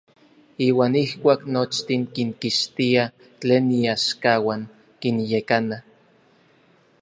Iuan ijkuak nochtin kinkixtia tlen iaxkauan, kinyekana.